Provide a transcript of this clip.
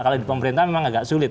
kalau di pemerintahan memang agak sulit